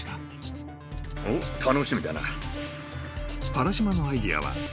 ［原島のアイデアは］